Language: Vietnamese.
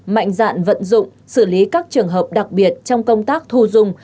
mạnh dạn vận dụng xử lý các trường hợp đặc biệt trong công tác thu dung